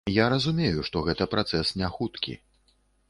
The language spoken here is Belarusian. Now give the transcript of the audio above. Я разумею, што гэта працэс не хуткі.